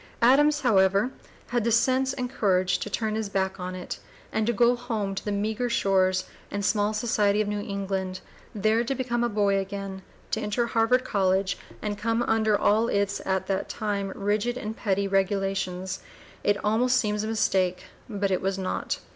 Adams, however, had the sense and courage to turn his back on it, and to go home to the meagre shores and small society of New England, there to become a boy again, to enter Harvard College, and come under all its at that time rigid and petty regulations. It almost seems a mistake, but it was not.